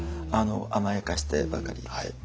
甘やかしてばかりいてっていう。